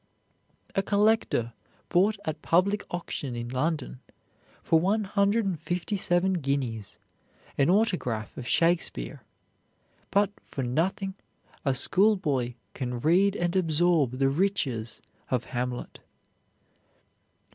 A collector bought at public auction in London, for one hundred and fifty seven guineas, an autograph of Shakespeare; but for nothing a schoolboy can read and absorb the riches of "Hamlet."